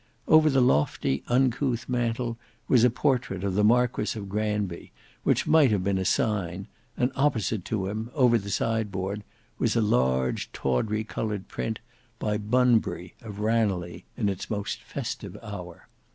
Over the lofty uncouth mantel was a portrait of the Marquis of Granby, which might have been a sign, and opposite to him, over the sideboard, was a large tawdry coloured print, by Bunbury, of Ranelagh in its most festive hour.